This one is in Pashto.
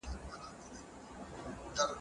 طبیعت د ملکیار په شعر کې ژوندۍ بڼه لري.